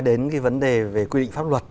đến cái vấn đề về quy định pháp luật